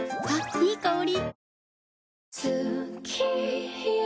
いい香り。